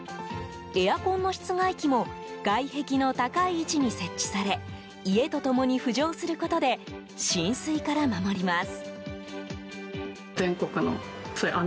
エアコンの室外機も外壁の高い位置に設置され家と共に浮上することで浸水から守ります。